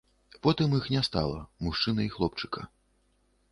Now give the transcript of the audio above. Потым іх не стала, мужчыны і хлопчыка.